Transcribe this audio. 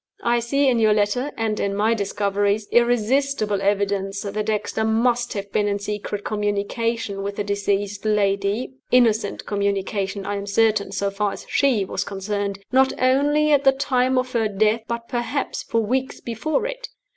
I see in your letter (and in my discoveries) irresistible evidence that Dexter must have been in secret communication with the deceased lady (innocent communication, I am certain, so far as she was concerned), not only at the time of her death, but perhaps for weeks before it.